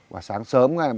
và sáng sớm